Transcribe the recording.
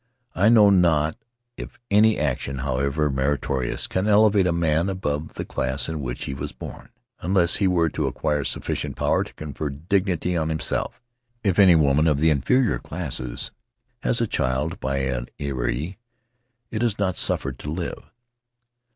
I know not if any action, however meritorious, can elevate a man above the class in which he was born, unless he were to acquire sufficient power to confer dignity on himself. If any woman of the inferior classes has a child by an Earee it is not suffered to live."